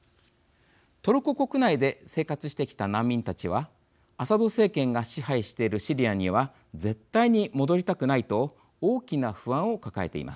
トルコ国内で生活してきた難民たちはアサド政権が支配しているシリアには絶対に戻りたくないと大きな不安を抱えています。